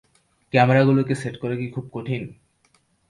ক্যামেরাগুলো সেট করা কি খুব কঠিন?